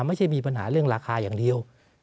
ไม่ใช่มีปัญหาเรื่องราคาอย่างเดียว